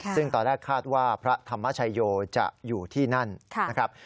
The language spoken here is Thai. ซึ่งตอนแรกคาดว่าพระธรรมชโยจะอยู่ที่นั่นนะครับ